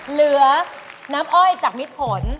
เหลือน้ำอ้อยจากมิดผล